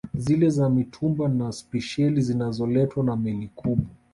Zile za mtumba na spesheli zinazoletwa na Meli kubwa